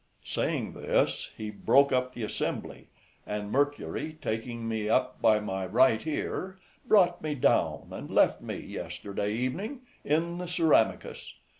Saying this, he broke up the assembly, and Mercury taking me up by my right ear, brought me down, and left me yesterday evening in the Ceramicus.